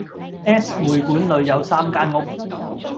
S 會館裏有三間屋，